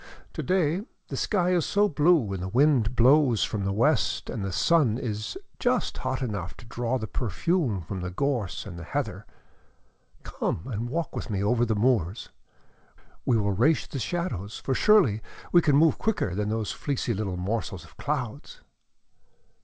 To day the sky is so blue and the wind blows from the west and the sun is just hot enough to draw the perfume from the gorse and the heather. Come and walk with me over the moors. We will race the shadows, for surely we can move quicker than those fleecy little morsels of clouds!"